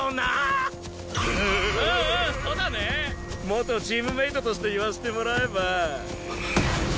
元チームメートとして言わせてもらえば。